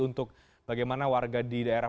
untuk bagaimana warga di daerah